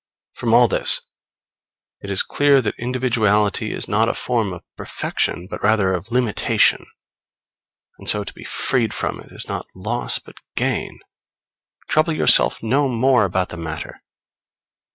From all this it is clear that individuality is not a form of perfection, but rather of limitation; and so to be freed from it is not loss but gain. Trouble yourself no more about the matter.